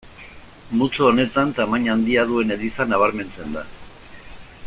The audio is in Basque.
Multzo honetan tamaina handia duen eliza nabarmentzen da.